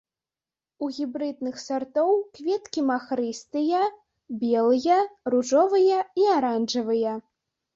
У гібрыдных сартоў кветкі махрыстыя, белыя, ружовыя і аранжавыя.